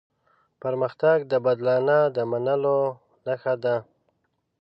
پرمختګ د بدلانه د منلو نښه ده.